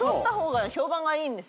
評判がいいんだ。